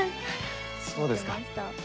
そうですか。